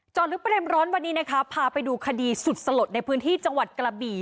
ลึกประเด็นร้อนวันนี้นะคะพาไปดูคดีสุดสลดในพื้นที่จังหวัดกระบี่